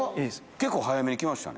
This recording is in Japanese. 結構速めに来ましたね。